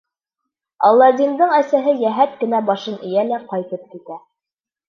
Аладдиндың әсәһе йәһәт кенә башын эйә лә ҡайтып китә.